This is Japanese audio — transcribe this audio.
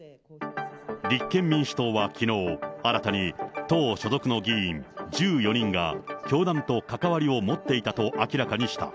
立憲民主党はきのう、新たに党所属の議員１４人が、教団と関わりを持っていたと明らかにした。